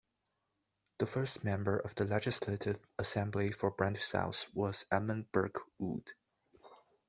The first Member of the Legislative Assembly for Brant South was Edmund Burke Wood.